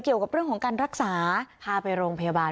เกี่ยวกับเรื่องของการรักษาพาไปโรงพยาบาล